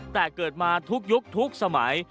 แต่เกิดมาทุกยุคทุกสมัย